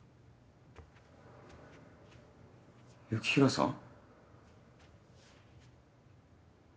雪平さん？